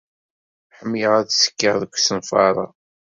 Ḥemmleɣ ad ttekkiɣ deg usenfar-a.